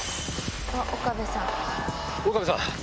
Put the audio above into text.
岡部さん！